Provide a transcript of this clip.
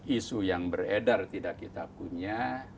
isu yang beredar tidak kita punya